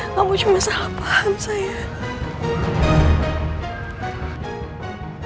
kamu cuma salah paham saya